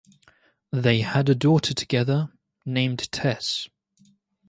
They had a daughter together, named Tess.